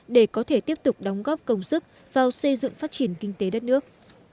để có thể tiếp tục đóng góp công sức vào xây dựng phát triển kinh tế đất nước